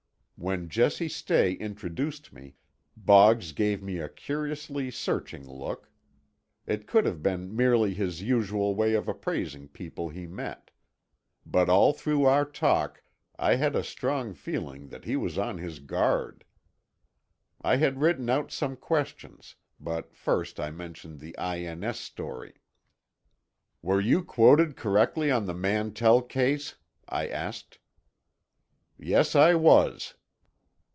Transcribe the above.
When Jesse Stay introduced me, Boggs gave me a curiously searching look. It could have been merely his usual way of appraising people he met. But all through our talk, I had a strong feeling that he was on his guard. I had written out some questions, but first I mentioned the I.N.S. story. "Were you quoted correctly on the Mantell case?" I asked. "Yes, I was."